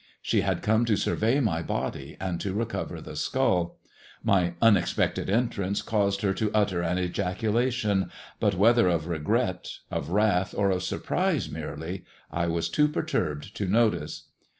She had come to survey my body and to recover the skull. My un expected entrance caused her to utter an ejaculation ; but whether of regret, of wrath, or of surprise merely, I was too perturbed to notice.